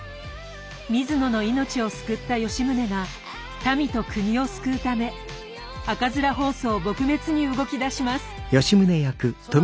水野の命を救った吉宗が民と国を救うため赤面疱瘡撲滅に動きだします。